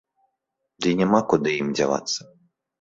Дый няма куды ім дзявацца.